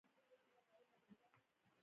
زما زړه نه کېده چې په هغه باندې ډز وکړم